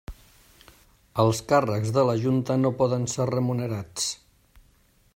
Els càrrecs de la Junta no poden ser remunerats.